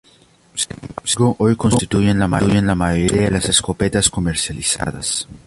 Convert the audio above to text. Sin embargo, hoy constituyen la mayoría de las escopetas comercializadas.